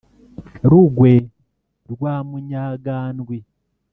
rugwe rwa munyagandwi.